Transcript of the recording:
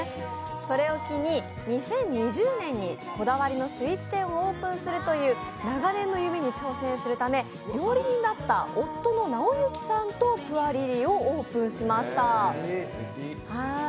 それを機に２０２０年にこだわりのスイーツ店をオープンするという長年の夢に挑戦するため料理人だった夫の直幸さんとプアリリイをオープンさせました。